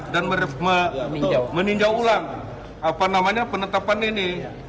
dan meninjau ulang apa namanya penetapan ini